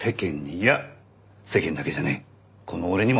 いや世間だけじゃないこの俺にも。